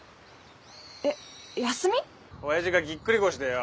おやじがぎっくり腰でよ。